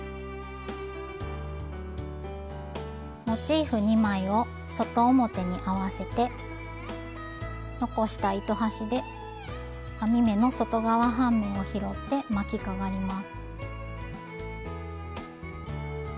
モチーフ２枚を外表に合わせて残した糸端で編み目の外側半目を拾って巻きかがります。